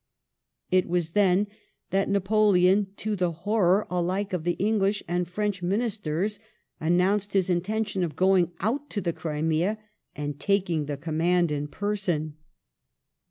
It was then that Napoleon, to the horror alike of the English and French Ministers, announced his intention of going out to the Crimea and taking the command in person.